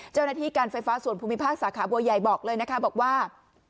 เจ้าหน้าที่การไฟฟ้าส่วนภูมิภาคสาขาบัวใหญ่บอกเลยนะคะบอกว่า